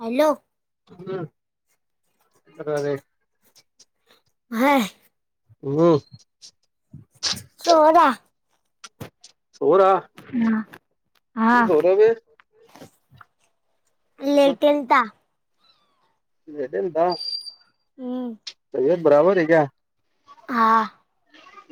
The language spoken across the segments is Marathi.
हॅलो. हाय हम् [unintelligible] सोडा. छोकरा. हम होरवे लतेंता हम्म तबीयत बराबर है क्या हा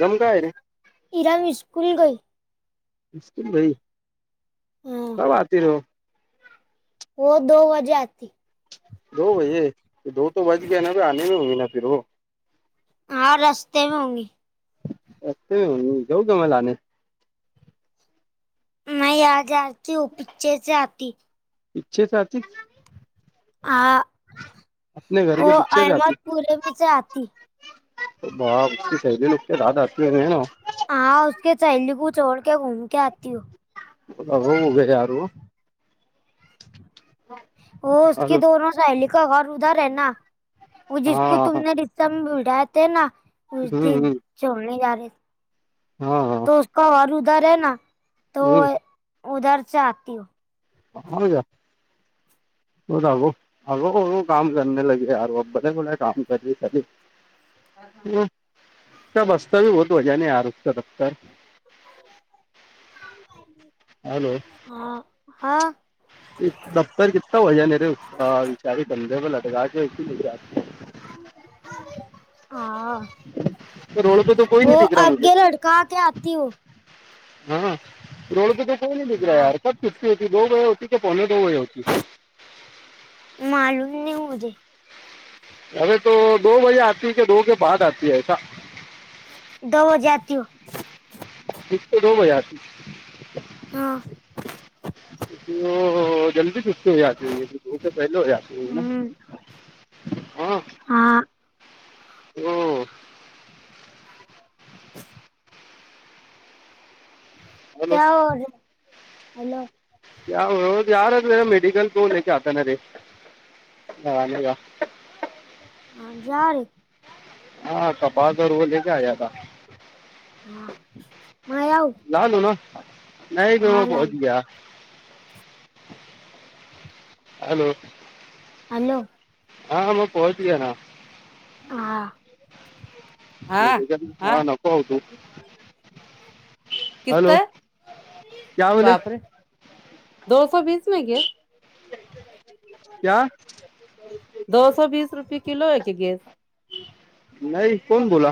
गम का है रे इराम स्कूल काय? मुशकल भाई हाँ, कब आते र व दो वाजे आती दो भैे दो बज ग ना आने मे हऊे ना फिर व हा रस्ते म हँगे अस ये जाऊ ग मला आणि नाही आजची उपेचेेच आती इच्छेच अतच हा घर व के अहमदपुरेच आती बाची सेली लुकते रा आती आहे म ना हा उक सैली प चोड के घुम के आती हो हो ग याार ह वो उसकी दोनो सहेली का घर उधर है ना जिको हाँ हाँ तुमने स बडा ते ना उ हम्म दिन ोडणे जा रे हो हो तो व्हिसाका वर उधर आहे ना हम्म उदरच्या आ त ह का हो जाग अ काम कर लगेारो बडे बडे काम करे खली. ह स रस्ता बत वजाने याारत दफतर हॅलो ह हा दफ्तर किता वजे बिचारी बधे पे लटका केती गुजात हा तो रोड पे तो कोई हो अगगे लटका क आती हो हा रोड प त कोही नाही बघ हाँ रहार क सुुट्टी होती दो वजे होती क पोणे दो वजे होती. मालून नाही होे अरे तो दो बजे आती क दो के बा आती सा दो बजे आती हू फ तर दो बजा त हां क जल्दी गुस्ती हो द ते पहिले हो जी हो ना हम्म, हम हाँ हो क हेलो हॅलो या याार मेडिकल तोलेक आताना रे ह झाार हा तपाासर व लक आयाता हा माय आऊ ला लो ना नाही ते म हाँ पोहच लाल ग हॅलो हॅलो हा मग पोहच गे ना ह मच्या हाँ हा नको होतो किस्त हॅलो आहे क्या बोले बापरे दो सो बीस नाही गे क्या दो सो बीस रुपये किलो हे की गेस नाही कोण बोला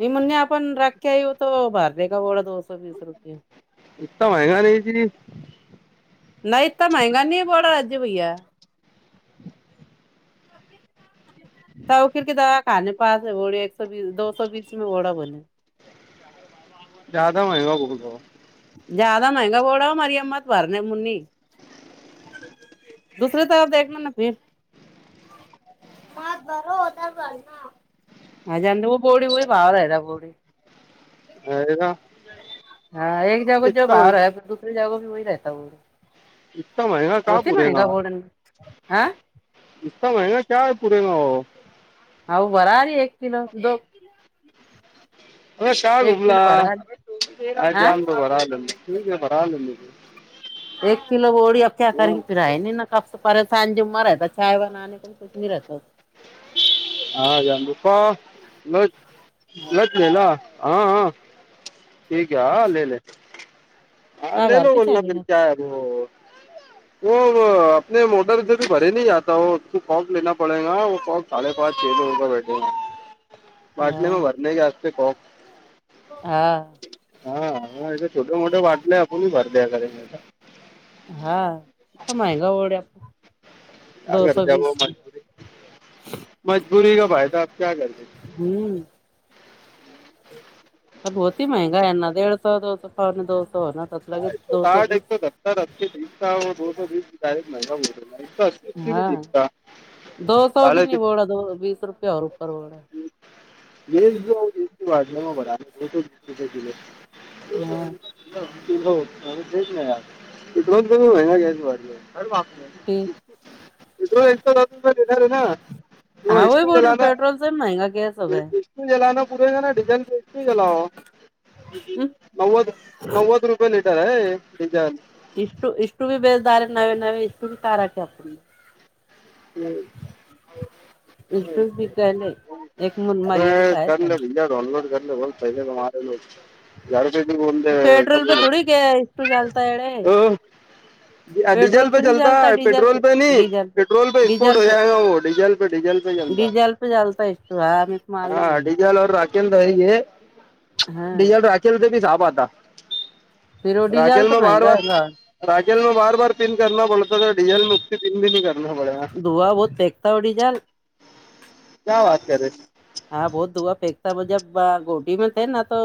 मी म्हणणे आपण राख्या येऊ तो भार र का ोड दो स वीस रुपये इता महंगा नाही जी नाही तर महंगा नाही बडा राजी भैया तवखर क दवा खाने पा होढ एक सो बीस दो सो बीस मे होढा बोले ज्यादा महगा बोलत ज्यादा महंगग बोडा मारी अम् [inaudible] त भरणे मुनी दुसर तरकणार नक्की ना बरो होतर बर ना हज व बोडी वही बार आहेय बोडी हो अरे ना हा एक जग जो इतना मह भाव आहे दु जाोी व राहता इतना महंगा का होती मगा पुरेगा बोर्डन ह इतता महगा क्या आहे पुरे ना ह भरा र एक किलो दो अ शा एक गुबला किलो भरा रही आ हाँ जामतो भरा ठीक आहे भराले एक कलो बोडी आप्या हाँ कर की पिराय नि ना कप पर सां जुममा राहता ाय वन कु नाहीीहत हा जते प ल हाँ ल लला हा हा ठीक आहे लले हा हज़ार ललो रुपये बोल ना चालीन मिरच्या व आपने मोटरचे त भरे नाही आता व त कॉपना पडेगा व कॉप पा े हो बठे हा बाटले म भरने केस्ते खॉक हा हा हा या छोटे मोठे वाटलंय आपणही भर द्या के हाता महगा ओढ्या आपण करते व मजबुरी मजबुरी का फायदा आप क करज हम्म अण होती महंगा आहे ना देडेड सो दोत पण दोतो ना ह साठ एक दत्र दो सो बीसय महंगा ब हा दो सो भी साढ़े नाही बोड तीन दो बीस रुपया होर उपर वोढ वाढले बरीस रुपे कले हा तेच नाही इथण कमी महि घ्यास भारीर बाप ठीक देणार आहे ना तो एूला ना महगा ग ए गला ना पुरे जा ना डिझेल ए गलाव हम्म, नवद नवद रुपय लिटर आहे बीज इष्टू इष्टूी बेजदार आहे नवे नवे इष्टूी कारक आहे आपण हम् बकुीले एक मुन मरियम काय डाऊनलोड करले बोल पहिम्हाेो यार तो पेट्रोल पे ब थोड़ी गया इष्टू डालता है रे ह डीजल पेट्रोल पे पण चलता जलता है, डीजल पेट्रोल पे नही डीजल पेट्रोल पे एक्सपोर्ट हो जायग वो डिजल डी डीजल पे चल डीजेल पे जलता हैं [unintelligible] हा डिजेल और राखेल नही ये हाँ डिजेल राख राकेल से भी साप आता, फिर वो डीजल राकेल तो मे बार महंगा बार है राकेल मे बार बार पिन करना पडता, का डीझल मे मुक्ती पिन भी नहीं करना पडेगा. धूवा बहुत फेकता ओ डीजेल. क्या बात कर रहे? हा बहोत धूवा फेकता, मै जब गोटी मे थे ना तो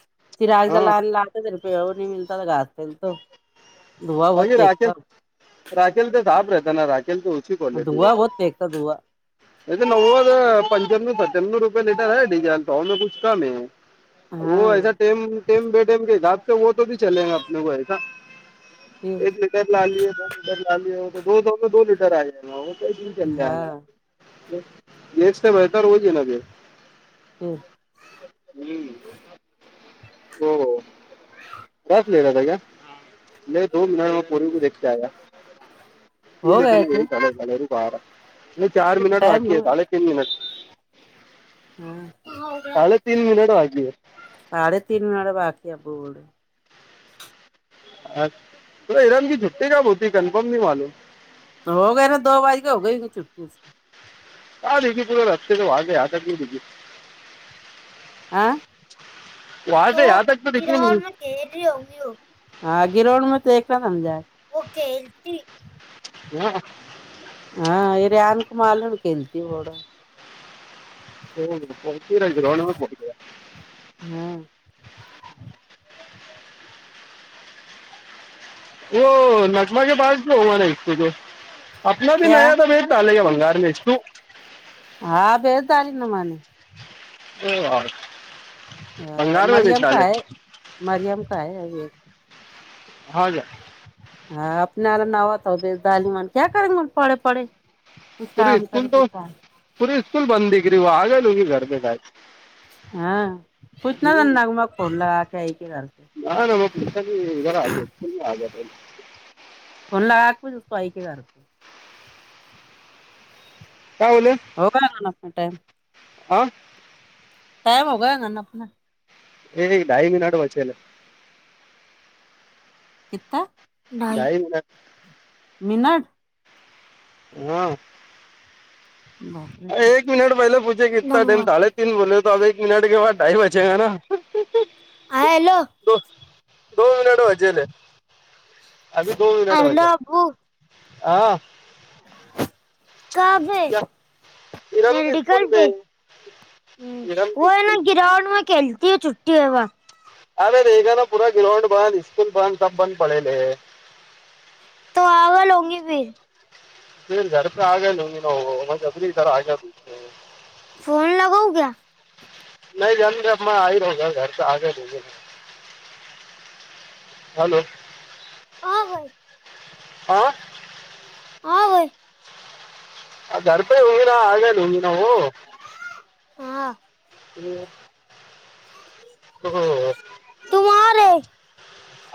चिराग हाँ जला ला. कूछ रुपया और नही मिलता, तो घासतो धुवा बहुत बाकी राकेल देखता. राकेल तर साफ रहता है ना, की राकल तो उची क्वालिटी है. बा बहूत फेकता धुवा नवद पंनच्यानव सत्यानव रुपये लिटर है डीजल तोे कुछ कम है. वो ऐसा हाँ सेम सेम बेटेम के हिसाब, वो भी चले गा आपनो को ऐसा फिर एक लिटर डालीयेगा दो लिटर लालीयेगा दो दो लिटर आएगा हाँ देश से बेहतर हो ना ते हम. हम्म. हो हो. ले गया था क्या नाही, दो मीनट मैं पोर् देखते आया तीन हो गया ये क्या चाले झाले बार चार मिनट टाइम बाकी हो हैत झाले, तीन मिनट बार हम्. साडे तीन मिनिट बाकी ए साडे तीन म्या बाकी आ बुड अल इरान की छुट्टी कब होती, कन्फर्म नाही मालूम हो गया ना तो भाई हो गयी छट्टी हा देखी तो पूरे रस्तेसे वाे आता देखा आ वहां तो से यहाँ तक तो दिखी नहीं इराण े हा गिरोवड मजे एक ना समजा नहीं. हा इराण क्या मालूम खेलती रोड हो ग [unintelligible] हा. ओ नजमाच्या बाज को होवा नाही इतने दीन आपना भी क्या नया था बेच डाले भंगार मे हा बेस आणि ना मन [unintelligible] हो भंगार ली गार मे बेचं डाले. मरीयम काय आहे अ होव जा. हा आपणाला नाव बे ालिमन क्या करे मग पढे पढे [unintelligible] परी स्कूल त पूरी स्कूल बंद दि कर, व आग लूी घर बे काय हा. कुच्छ ना त्यांना मग फोन लग गई के क [unintelligible] आग [unintelligible] फोन लगा कूछ पाईय का करो. काय बोले? होव का ना ना आपना टाइम हां. टाईम होगंया ना आपना हे डाईंग नॉट वचेल किता धाई ढाई मिनट मिनट. हम. बाप रे एक मिनिट पहिले पुचे किता टम ले तीन बोले हो टॅब एक मनट के बाद डाई बचेग ना. हा हॅलो. दो दोन मिनिट भाजले अभी दोन मिनिट हेलो भाज अबू आ. काहा क्या पे इरम के मेडिकल स्कूल पे. में हम्म इरम व के आहे ना स्कूल में गि्रउंड म खेलती ह छुट्टी बा. अरे रेग ना पूरा ग्राउंड बंद इस्कूल बंद सब बंद पडेले आहे तो आव लोगी फर फर घर पे आग लु ना म्हजरी इधर आ तू फोन लगऊ क्या नाही जणग अ म आई रो घर प आग र हॅलो अवय हो अवही अ गडपय हगरा आगयल हगी नऊ हां हम् हो हो तुमारे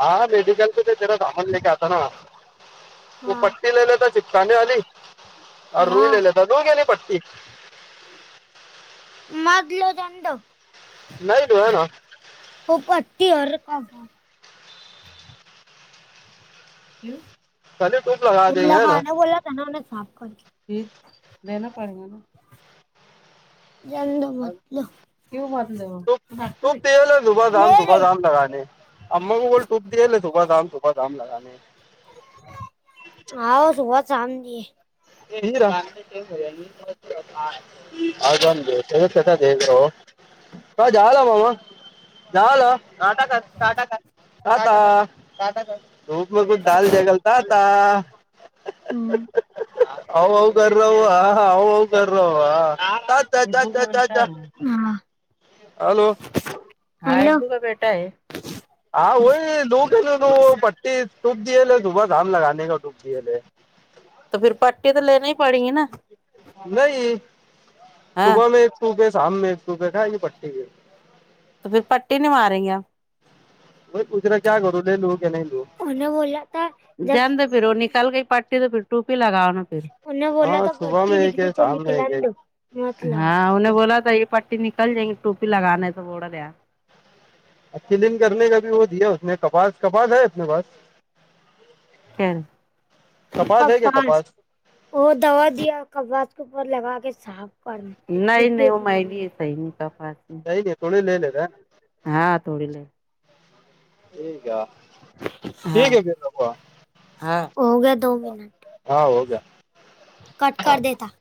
हा मेडिकल प ते तेरा सामन लक आता ना त हाँ पट्टीलेता चिपकाने वली औ हाँ रुईता लु गेली पट्टी मागल जंद नईत आहे ना हो अतीर का चलिए टूप लगा तुम्ही देंगे है ना लखना बोला ना साफ कर ह देना पडेग ना जंद मतलं तव टूप म टूप दिए म [unintelligible] अम्ग बोल टुट दिेले सुभाध दम सुबाधम लगाने हव सुभात शमली हीरा अजण का झाला बाबा झाला नाटक काटा धूप मे कुछ डल द गलता हम्म [unintelligible] हा. हॅलो. हॅलो तु का बेटा हे हा वई लोकेले तू पट्टी टुब दिले सुब घाम लगने का टुब दिले तर फर पटी तर ललेण्या पड ना नाही सुब हाँ मे एक सपे शम मे एक रपे खाय पट्टठी त फर पट्टी नि मारया भाई पुूच रे क्या करू लू की नाही लू न बोला ज फर निकल ग पा्टी ते फर टूपी लागान फर उन हाँ बोलाता सुबह में पटी एक है लिखलीली तर शाम में लिखला एक है द [inaudible] हाे बोलाता ह पट्टी निकल जायंगी टोपी लगनेचा बोड या. अ कलिंग कर काी व दे कपास कपाास आहे आप पास खर कपास है क्या पाच. कपास हो दवा द कबाात पर लग के सा [unintelligible] नाही नाही महिली सही का पा [unintelligible] ताई रेकॉर्डिंग लय आले का. हा थोडी ल. एक का ठीक आहे बूवा. ह होग्या दो महिनट [inaudible] हा हो का [unintelligible] कट कर देता [inaudible]